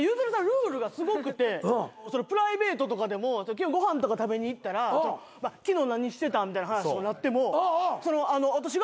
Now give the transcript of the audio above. ルールがすごくてプライベートとかでもご飯とか食べに行ったら昨日何してたみたいな話とかなっても私が。